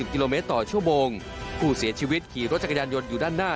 กิโลเมตรต่อชั่วโมงผู้เสียชีวิตขี่รถจักรยานยนต์อยู่ด้านหน้า